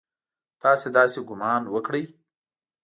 تاسې داسې ګومان وکړئ!